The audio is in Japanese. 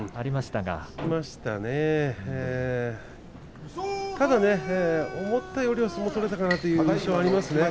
ただ思ったよりは相撲が取れていたかなという印象がありますね。